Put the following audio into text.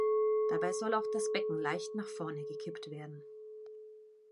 Dabei soll auch das Becken leicht nach vorne gekippt werden.